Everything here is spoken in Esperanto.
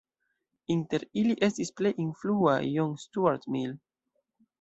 Inter ili estis plej influa John Stuart Mill.